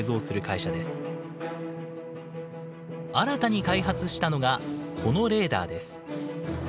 新たに開発したのがこのレーダーです。